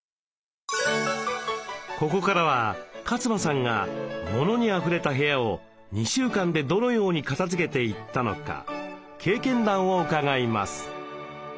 ここからは勝間さんがモノにあふれた部屋を２週間でどのように片づけていったのか経験談を伺います。